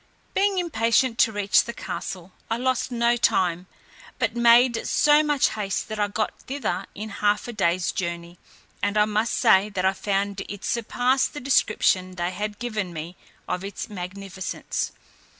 Being impatient to reach the castle, I lost no time; but made so much haste, that I got thither in half a day's journey, and I must say that I found it surpassed the description they had given me of its magnificence.